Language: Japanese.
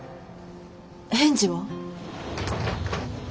返事は？